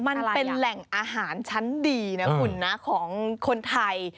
มันเป็นแหล่งอาหารชั้นดีของคนไทย